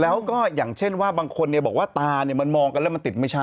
แล้วก็อย่างเช่นว่าบางคนบอกว่าตามันมองกันแล้วมันติดไม่ใช่